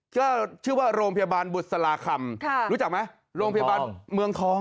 ก็ชื่อว่าโรงพยาบาลบุษราคำรู้จักไหม